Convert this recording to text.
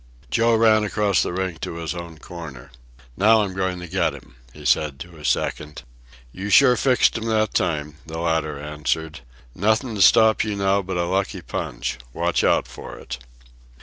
Joe ran across the ring to his own corner. "Now I'm going to get 'm," he said to his second. "You sure fixed 'm that time," the latter answered. "Nothin' to stop you now but a lucky punch. Watch out for it."